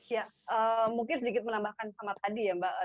ya mungkin sedikit menambahkan sama tadi ya mbak